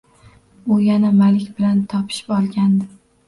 U yana Malik bilan topishib olgandi